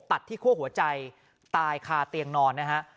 ตัดที่คั่วหัวใจตายคาเตียงนอนนะฮะ